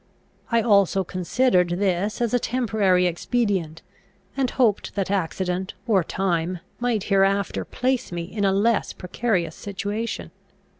I also considered this as a temporary expedient, and hoped that accident or time might hereafter place me in a less precarious situation.